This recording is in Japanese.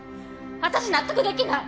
私納得できない！